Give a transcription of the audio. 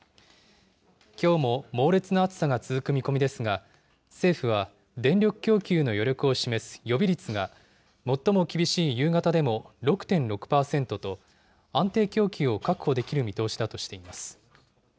きょうも猛烈な暑さが続く見込みですが、政府は、電力供給の余力を示す予備率が最も厳しい夕方でも６．６％と、安定供給を確保できる見通しだとしています。